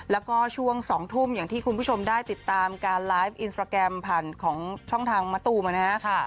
แล้วก็ช่วง๒ทุ่มอย่างที่คุณผู้ชมได้ติดตามการไลฟ์อินสตราแกรมผ่านของช่องทางมะตูมนะฮะ